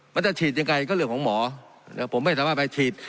มันจะฉีดยังไงก็เรื่องของหมอผมไม่สามารถไปฉีด